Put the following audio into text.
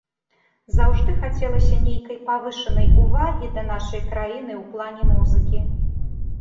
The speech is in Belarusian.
Заўжды хацелася нейкай павышанай увагі да нашай краіны ў плане музыкі.